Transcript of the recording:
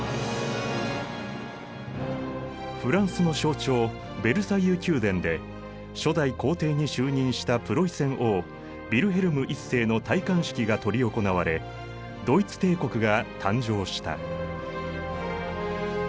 フランスの象徴ヴェルサイユ宮殿で初代皇帝に就任したプロイセン王ヴィルヘルム１世の戴冠式が執り行われドイツ帝国が誕生した。